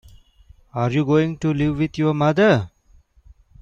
Are you going to live with your mother?